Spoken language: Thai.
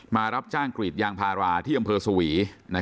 รับจ้างกรีดยางพาราที่อำเภอสวี